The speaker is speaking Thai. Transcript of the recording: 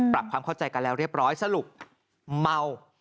ปรับความเข้าใจกันแล้วเรียบร้อยสรุปเมา